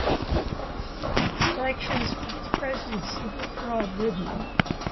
Elections for his presidency were fraud-ridden.